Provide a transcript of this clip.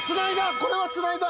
これはつないだ！